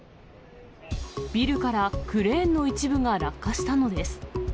ビルからクレーンの一部が落下したのです。